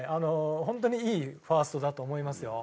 ホントにいいファーストだと思いますよ。